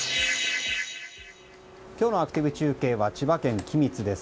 今日のアクティブ中継は千葉県君津です。